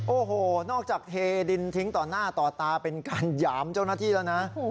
โอ้โหนอกจากเทดินทิ้งต่อหน้าต่อตาเป็นการหยามเจ้าหน้าที่แล้วนะ